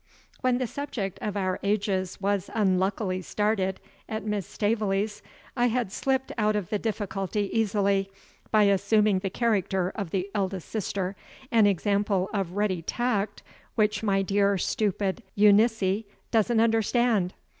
When the subject of our ages was unluckily started at Mrs. Staveley's, I had slipped out of the difficulty easily by assuming the character of the eldest sister an example of ready tact which my dear stupid Eunice doesn't understand.